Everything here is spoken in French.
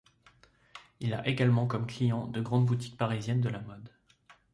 Il a également comme client de grandes boutiques parisiennes de la mode.